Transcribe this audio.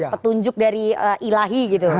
petunjuk dari ilahi gitu